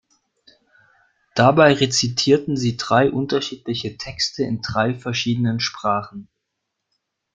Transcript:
Dabei rezitierten sie drei unterschiedliche Texte in drei verschiedenen Sprachen.